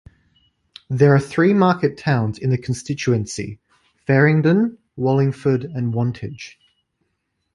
There are three market towns in the constituency: Faringdon, Wallingford and Wantage.